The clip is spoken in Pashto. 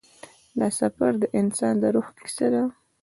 دا سفر د انسان د روح کیسه ده.